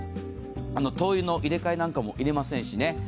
灯油の入れ替えなんかも要りませんしね。